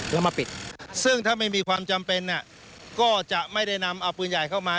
แล้วมาปิดซึ่งถ้าไม่มีความจำเป็นก็จะไม่ได้นำเอาปืนใหญ่เข้ามา